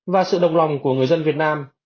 và sự đồng lòng của người dân việt nam